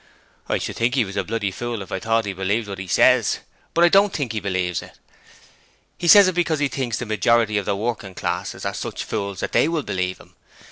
'I should think he was a fool if I thought he believed what he says. But I don't think he believes it. He says it because he thinks the majority of the working classes are such fools that they will believe him.